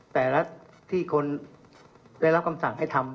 แต่ละที่คนได้รับคำสั่งให้ทำ